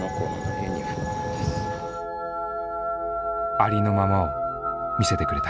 ありのままを見せてくれた。